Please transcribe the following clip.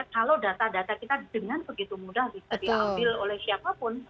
kalau data data kita dengan begitu mudah bisa diambil oleh siapapun